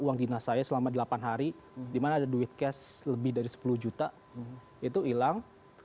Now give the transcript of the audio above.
uang dinas saya selama delapan hari di mana ada duit cash lebih dari sepuluh juta itu hilang